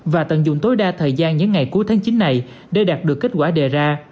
và tận dụng tối đa thời gian những ngày cuối tháng chín này để đạt được kết quả đề ra